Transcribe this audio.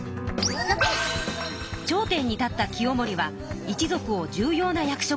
頂点に立った清盛は一族を重要な役職につけました。